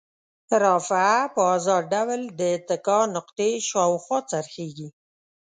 رافعه په ازاد ډول د اتکا نقطې شاوخوا څرخیږي.